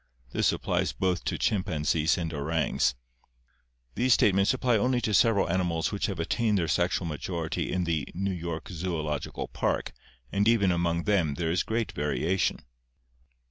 This applies both to chimpanzees and orangs. These statements apply only to several animals which have attained their sexual majority in the [New York Zoological] Park and even among them there is great variation."